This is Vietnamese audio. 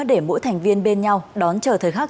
để mỗi thành viên bên nhau đón chờ thời khắc